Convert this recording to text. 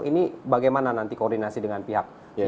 ini bagaimana nanti koordinasi dengan pihak